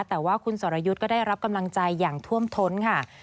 แต่ว่าคุณสรยุทธ์ก็ได้รับกำลังใจอย่างท่วมท้นค่ะ